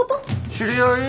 知り合い？